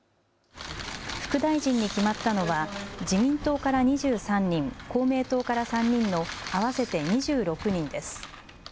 副大臣に決まったのは自民党から２３人、公明党から３人の合わせて２６人です。